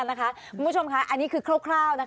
คุณผู้ชมค่ะอันนี้คือคร่าว